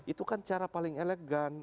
itu kan cara paling elegan